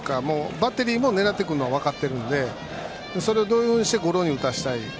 バッテリーも狙ってくるのは分かっているのでそれをゴロに打たせたい。